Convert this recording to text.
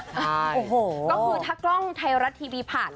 โอ้โหก็คือถ้ากล้องไทยรัฐทีวีผ่าน